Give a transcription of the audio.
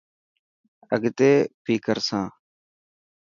اگتي بي ڪرسان.